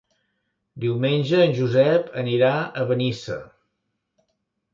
Diumenge en Josep anirà a Benissa.